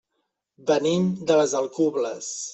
Venim de les Alcubles.